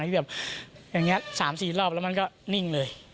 แบบอย่างนี้๓๔รอบแล้วมันก็นิ่งเลย